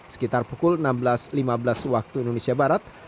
sekitar pukul enam belas lima belas waktu indonesia barat